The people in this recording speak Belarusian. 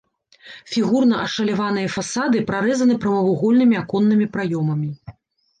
Фігурна ашаляваныя фасады прарэзаны прамавугольнымі аконнымі праёмамі.